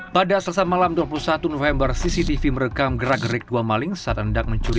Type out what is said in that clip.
pada selasa malam dua puluh satu november cctv merekam gerak gerik dua maling saat hendak mencuri